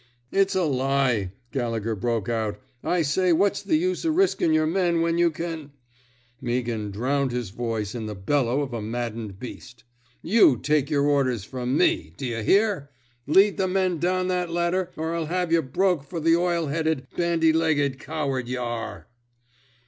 It's a lie," Gallegher broke out. I say what's the use of risHn' your men when you can —" Meaghan drowned his voice in the bellow of a maddened beast. You take yer orders from me/ D 'yuh hear? Lead the men down that ladder, or I'll have yuh broke fer th' oily headed, bandy legged coward y' are!